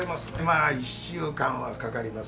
まあ１週間はかかりますね。